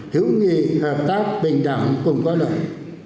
hữu nghị hợp tác bình đẳng cùng có lợi